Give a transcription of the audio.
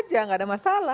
tidak ada masalah